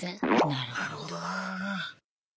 なるほどな。